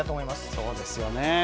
そうですよね。